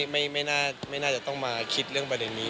ไม่น่าจะต้องมาคิดเรื่องประเด็นนี้